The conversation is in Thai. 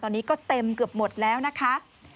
ตอนนี้ก็เต็มเกือบหมดแล้วนะคะ